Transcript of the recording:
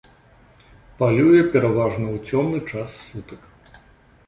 Палюе пераважна ў цёмны час сутак.